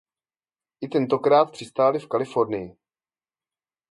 I tentokrát přistáli v Kalifornii.